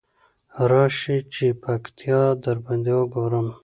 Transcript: راشی چی پکتيا درباندې وګورم.